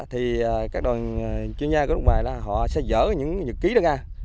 thì các đoàn chuyên gia của nước ngoài họ sẽ dỡ những nhật ký đó ra